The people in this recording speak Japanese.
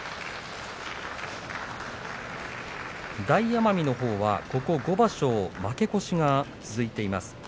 大奄美のほうはここ５場所負け越しが続いています。